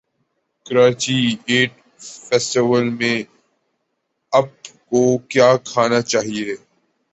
Karachi eat festival میں اپ کو کیا کھانا چاہیے